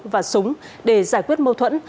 và súng để giải quyết mâu thuẫn